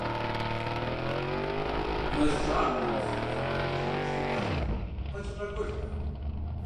Мэз щӀагъхэм, псы Ӏуфэхэм иджыри ущрихьэлӀэрт къэкӀыгъэ гуэрхэм.